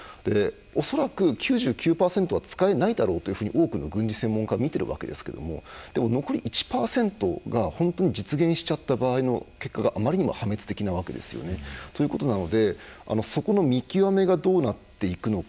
恐らく、９９％は使えないだろうと多くの軍事専門家は見てるわけですけどもでも残り１％が実現しちゃった場合の結果があまりにも破滅的というわけですよね。ということなので、そこの見極めがどうなっていくのか。